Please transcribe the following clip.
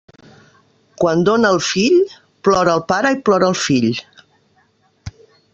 Quan dóna el fill, plora el pare i plora el fill.